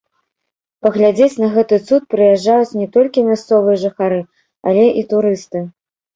Паглядзець на гэты цуд прыязджаюць не толькі мясцовыя жыхары, але і турысты.